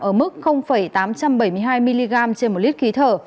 ở mức tám trăm bảy mươi hai mg trên một lít khí thở